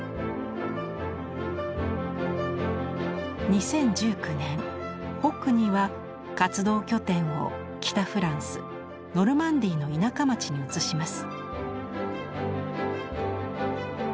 ２０１９年ホックニーは活動拠点を北フランスノルマンディーの田舎町に移します。